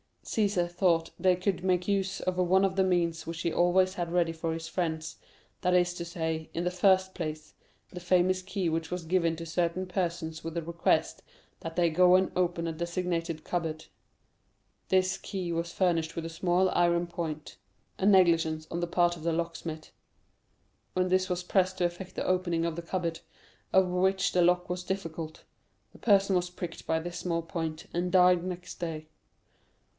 Cæsar thought they could make use of one of the means which he always had ready for his friends, that is to say, in the first place, the famous key which was given to certain persons with the request that they go and open a designated cupboard. This key was furnished with a small iron point,—a negligence on the part of the locksmith. When this was pressed to effect the opening of the cupboard, of which the lock was difficult, the person was pricked by this small point, and died next day.